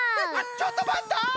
ちょっとまった！